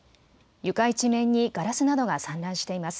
床一面にガラスなどが散乱しています。